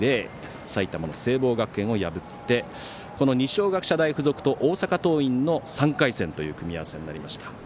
埼玉の聖望学園を破ってこの二松学舎大付属と大阪桐蔭の３回戦という組み合わせになりました。